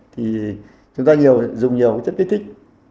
thì chúng ta dùng nhiều chất kích thích